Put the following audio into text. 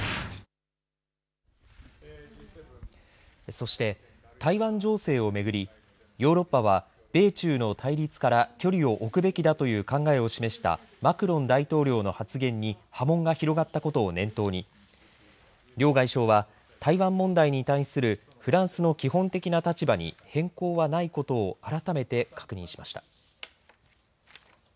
そして、台湾情勢を巡りヨーロッパは米中の対立から距離を置くべきだという考えを示したマクロン大統領の発言に波紋が広がったことを念頭に両外相は台湾問題に対するフランスの基本的な立場に変更はないことを改めて確認しました。